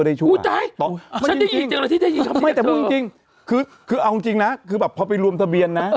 ได้ชั่วโอ้ยจำแต่พูดจริงคือคือเอาจริงนะคือแบบพอไปรวมทะเบียนนะ